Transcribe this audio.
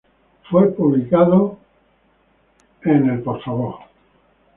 Fue publicado en "Kew Bull.